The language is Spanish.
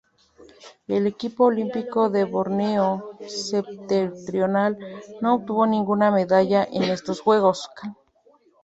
El equipo olímpico de Borneo Septentrional no obtuvo ninguna medalla en estos Juegos.